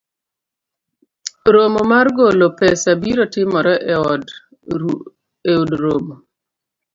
romo mar golo pesabiro timore e od romo